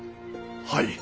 はい。